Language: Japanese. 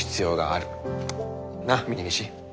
なっ峰岸。